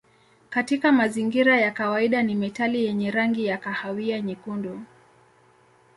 Katika mazingira ya kawaida ni metali yenye rangi ya kahawia nyekundu.